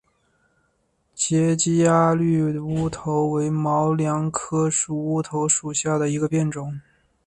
截基鸭绿乌头为毛茛科乌头属下的一个变种。